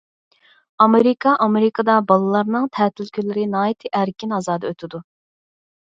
ئامېرىكا ئامېرىكىدا بالىلارنىڭ تەتىل كۈنلىرى ناھايىتى ئەركىن- ئازادە ئۆتىدۇ.